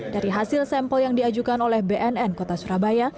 dari hasil sampel yang diajukan oleh bnn kota surabaya